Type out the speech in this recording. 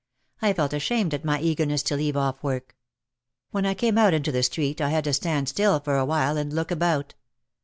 I felt ashamed at my eagerness to leave off work. When I came out into the street I had to stand still for a while and look about.